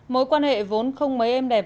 mối quan hệ vốn không mấy em đẹp